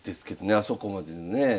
あそこまでのねえ。